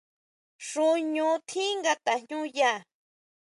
Xuñu tjín nga tajñuña.